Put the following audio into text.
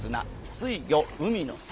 水魚海の魚。